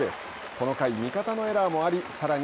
この回、味方のエラーもありさらに